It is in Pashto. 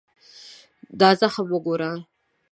دا زخم وګوره.